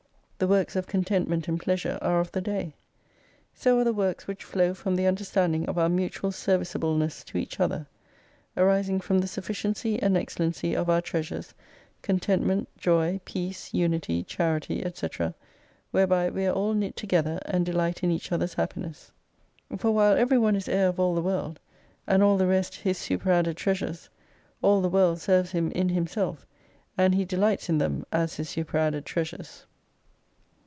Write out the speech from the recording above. The works of contentment and pleasure are of the Day. So are the works which flow from the understanding of our mutual serviceableness to each other : arising from the sufficiency and excellency of our treasures, Contentment, Joy, Peace, Unity, Charity, &c., whereby we are all knit together, and delight in each others' happiness. For while every one is Heir of all the "World, and all the rest his superadded treasures, all the World serves him in himself, and he delights iu them as His superadded treasures.